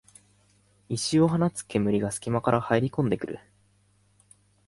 異臭を放つ煙がすき間から入りこんでくる